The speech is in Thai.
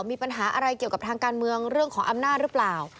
มีปัญหาอะไรเกี่ยวกับทางการเมืองเรื่องของอำนาจหรือเปล่า